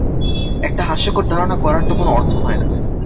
একটা হাস্যকর ধারণা করার তো কোনো অর্থ হয় না।